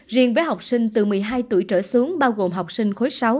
riêng với học sinh từ một mươi hai tuổi trở xuống bao gồm học sinh khối sáu